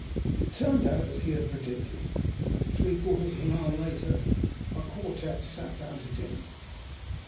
It turned out as he had predicted, and three quarters of an hour later our quartet sat down to dinner.